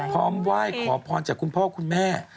พร้อมไหว้ขอพรจากคุณพ่อคุณแม่